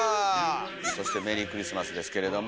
そしてメリークリスマスですけれども。